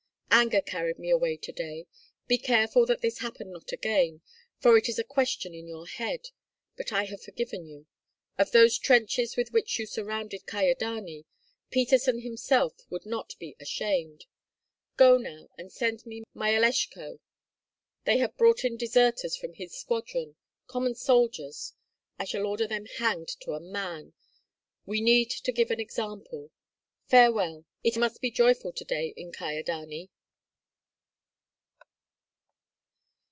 Anger carried me away to day. Be careful that this happen not again, for it is a question of your head. But I have forgiven you. Of those trenches with which you surrounded Kyedani, Peterson himself would not be ashamed. Go now and send me Myeleshko. They have brought in deserters from his squadron, common soldiers. I shall order them hanged to a man. We need to give an example. Farewell! It must be joyful to day in Kyedani."